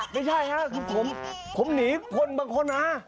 ไม่ใช่ครับคือผมหนีคนบางคนนะ